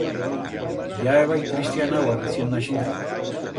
Ya hébai cristianau a recient naixida.